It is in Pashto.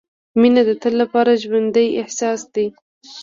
• مینه د تل لپاره ژوندی احساس دی.